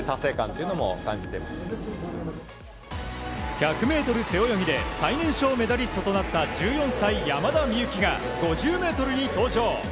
１００ｍ背泳ぎで最年少メダリストとなった１４歳、山田美幸が５０ｍに登場。